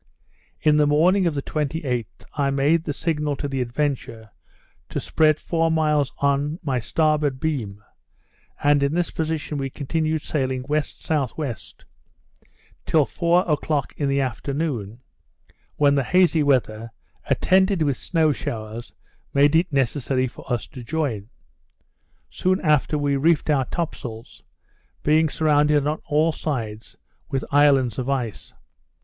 In the morning of the 28th I made the signal to the Adventure to spread four miles on my starboard beam; and in this position we continued sailing W.S.W., until four o'clock in the afternoon, when the hazy weather, attended with snow showers, made it necessary for us to join. Soon after we reefed our top sails, being surrounded on all sides with islands of ice.